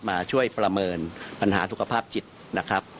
มาช่วยประเมินปัญหาสุขภาพจิตนะครับ